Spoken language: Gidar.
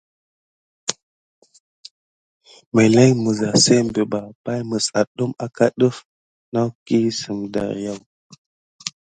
Məlin misza simɓe ɓa pay mis adume aka def nakine si darkiyu.